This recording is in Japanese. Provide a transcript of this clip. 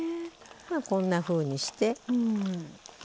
こんなふうにして。